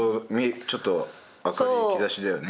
ちょっと明るい兆しだよね。